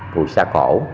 vùng xa khổ